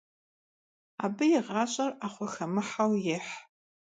Abı yi ğaş'er 'exhuexemıheu yêh.